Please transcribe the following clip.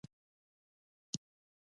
مصنوعي ځیرکتیا د عامه باور ازموینه ده.